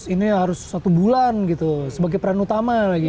ini harus satu bulan gitu sebagai peran utama lagi